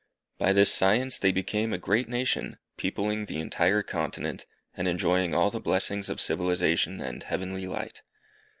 By this science they became a great nation, peopling the entire continent, and enjoying all the blessings of civilization and heavenly light.